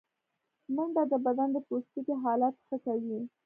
منډه د بدن د پوستکي حالت ښه کوي